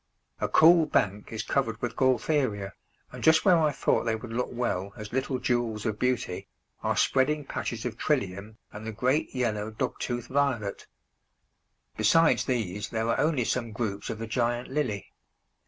A cool bank is covered with Gaultheria, and just where I thought they would look well as little jewels of beauty, are spreading patches of Trillium and the great yellow Dog tooth Violet. Besides these there are only some groups of the Giant Lily.